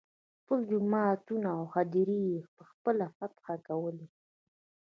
خپل جوماتونه او هدیرې یې په خپله فتحه کولې.